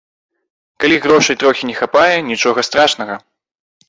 Калі грошай трохі не хапае, нічога страшнага!